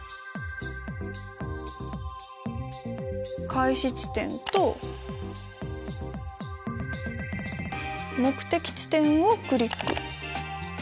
「開始地点」と「目的地点」をクリック。